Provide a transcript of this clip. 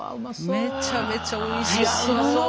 めちゃめちゃおいしそう。